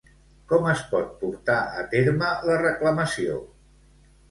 Com es pot portar a terme la reclamació?